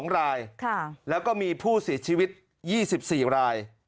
๒รายแล้วก็มีผู้เสียชีวิต๒๔ราย